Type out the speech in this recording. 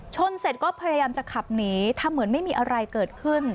เสร็จก็พยายามจะขับหนีทำเหมือนไม่มีอะไรเกิดขึ้น